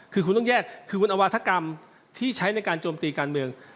คือคุณเอาวาธกรรมที่ใช้ในการโจมตีการเมือง